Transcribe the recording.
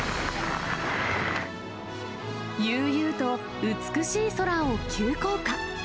悠々と美しい空を急降下。